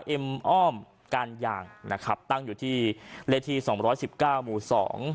เอ็มอ้อมการยางนะครับตั้งอยู่ที่เลขที่สองร้อยสิบเก้าหมู่สอง